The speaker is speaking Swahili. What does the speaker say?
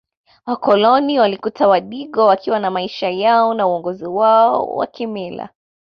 Wakoloni walikuta Wadigo wakiwa na maisha yao na uongozi wao wa kimila